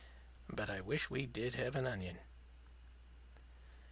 But I wish we did have an onion."